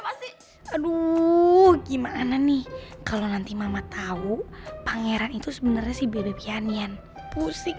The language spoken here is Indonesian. masih aduh gimana nih kalau nanti mama tahu pangeran itu sebenarnya sih bebe pianian pusing